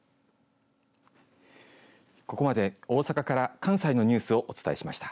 ここまで大阪から関西のニュースお伝えしました。